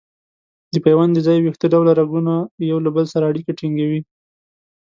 د پیوند د ځای ویښته ډوله رګونه یو له بل سره اړیکه ټینګوي.